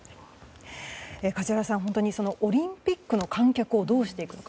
梶原さん、オリンピックの観客をどうしていくのか。